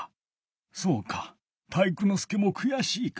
そうか体育ノ介もくやしいか。